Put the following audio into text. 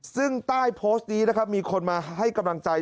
ซึ่งใต้โพสต์นี้นะครับมีคนมาให้กำลังใจ